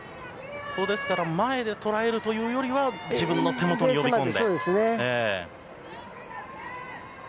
前で捉えるというよりは自分の手元に呼び込んでと。